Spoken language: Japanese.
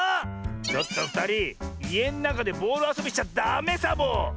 ちょっとふたりいえのなかでボールあそびしちゃダメサボ！